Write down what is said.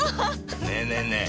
ねえねえねえ